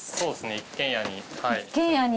一軒家に。